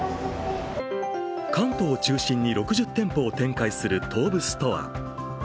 関東を中心に６０店舗を展開する東武ストア。